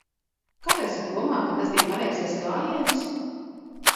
Kāpēc tu domā, ka tas bija pareizais gājiens?